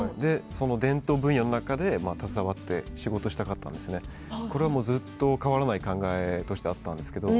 伝統分野の中で携わって仕事をしたかったのでこれはずっと変わらない考えとしてあったんですけれど。